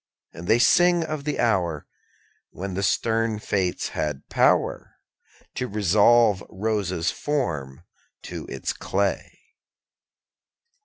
And they sing of the hour When the stern fates had power To resolve Rosa's form to its clay.